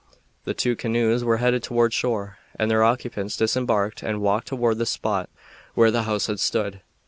The two canoes were headed toward shore, and their occupants disembarked and walked toward the spot where the house had stood.